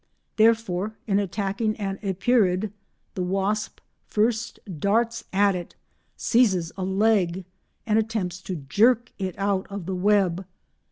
Therefore in attacking an Epeirid the wasp first darts at it, seizes a leg, and attempts to jerk it out of the web.